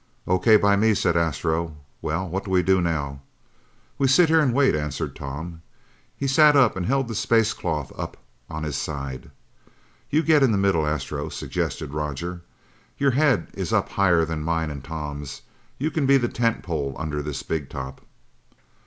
"O.K. by me," said Astro. "Well, what do we do now?" "We sit here and we wait," answered Tom. He sat up and held the space cloth up on his side. "You get in the middle, Astro," suggested Roger. "Your head is up higher than mine and Tom's. You can be the tent pole under this big top."